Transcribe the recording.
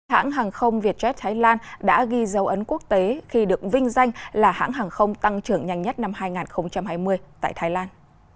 hãng hàng không vietjet thái lan đã ghi dấu ấn quốc tế khi được vinh danh là hãng hàng không tăng trưởng nhanh nhất năm hai nghìn hai mươi tại thái lan